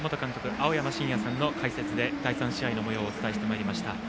青山眞也さんの解説で第３試合のもようをお伝えしてまいりました。